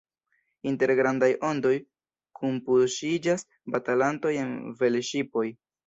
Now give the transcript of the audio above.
Inter grandaj ondoj kunpuŝiĝas batalantoj en velŝipoj.